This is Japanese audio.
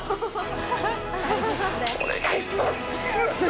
お願いします。